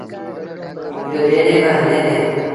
تا ٻيڙيٚن با هليݩ ديٚݩ۔